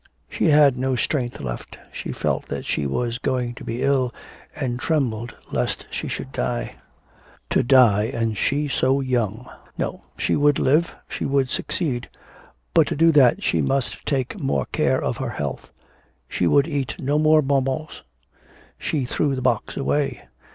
She had no strength left, she felt that she was going to be ill, and trembled lest she should die. To die, and she so young! No, she would live, she would succeed. But to do that she must take more care of her health. She would eat no more bon bons; she threw the box away.